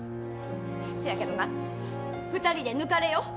せやけどな２人で抜かれよ。